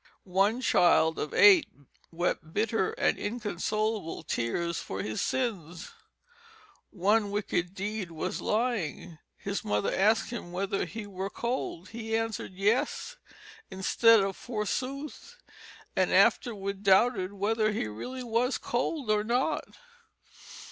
One child of eight wept bitter and inconsolable tears for his sins. One wicked deed was lying. His mother asked him whether he were cold. He answered "Yes" instead of "Forsooth," and afterward doubted whether he really was cold or not.